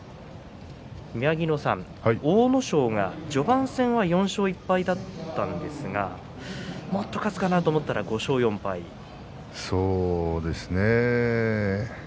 宮城野さん、阿武咲が序盤戦は４勝１敗だったんですがもっと勝つかなと思ったらそうですね。